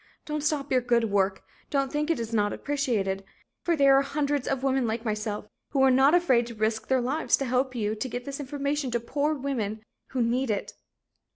Don't stop your good work; don't think it's not appreciated; for there are hundreds of women like myself who are not afraid to risk their lives to help you to get this information to poor women who need it."